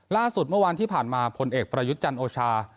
ล่าสุดเมื่อวานที่ผ่านมาพลเอกประยุทธ์จันทร์โอชา